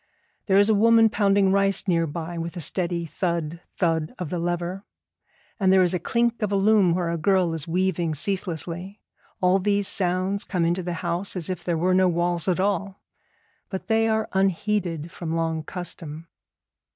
There is a woman pounding rice near by with a steady thud, thud of the lever, and there is a clink of a loom where a girl is weaving ceaselessly. All these sounds come into the house as if there were no walls at all, but they are unheeded from long custom.